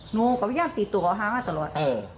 หนูก็ยังติดตัวอาหารตลอด